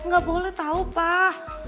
gak boleh tau pak